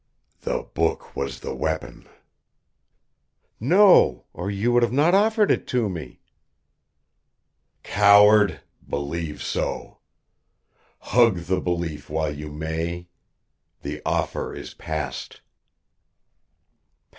"The book was the weapon." "No, or you would not have offered it to me." "Coward, believe so. Hug the belief while you may. The offer is past."